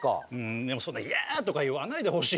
でもそんな「イヤ」とか言わないでほしいニョロ。